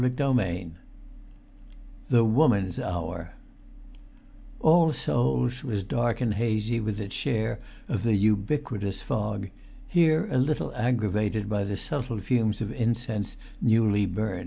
[Pg 362] XXX THE WOMAN'S HOUR All Souls' was dark and hazy with its share of the ubiquitous fog, here a little aggravated by the subtle fumes of incense newly burnt.